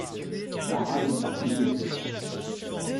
La rame est articulée.